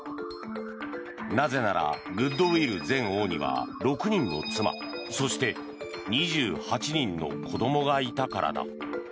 なぜなら、グッドウィル前王には６人の妻そして２８人の子どもがいたからだ。